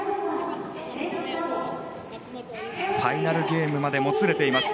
ファイナルゲームまでもつれています。